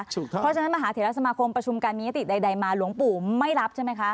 เพราะฉะนั้นมหาเถระสมาคมประชุมการมียติใดมาหลวงปู่ไม่รับใช่ไหมคะ